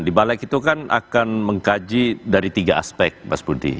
di balik itu kan akan mengkaji dari tiga aspek mas budi